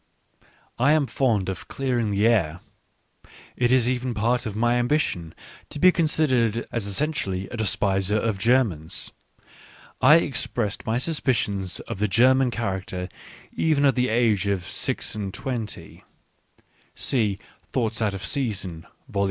I am fond of clearing the air. It is even part of my ^ambition to be considered as essentially a despiser )of Germans. I expressed my suspicions of the German character even at the age of six and twenty (see Thoughts out of Season, vol.